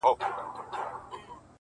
نه مي پل سي څوک په لاره کي میندلای.!